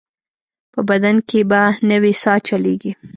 په بدن کې به نوې ساه چلېږي.